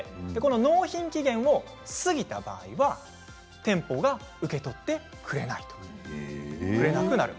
納品期限を過ぎた場合は店舗が受け取ってくれないと売れなくなる。